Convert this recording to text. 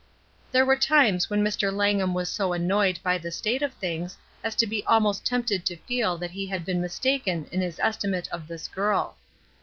There were times when Mr. Langham was so annoyed by the state of things as to be almost tempted to feel that he had been mistaken in his estimate of this girl.